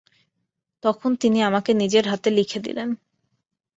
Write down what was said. তখন তিনি আমাকে নিজের হাতে লিখে দিলেন।